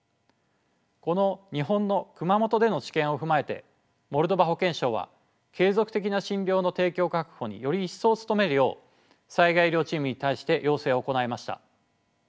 この日本の熊本での知見を踏まえてモルドバ保健省は継続的な診療の提供確保により一層努めるよう災害医療チームに対して要請を行いました。